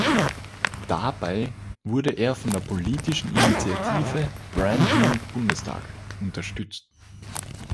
Dabei wurde er von der politischen Initiative Brand New Bundestag unterstützt.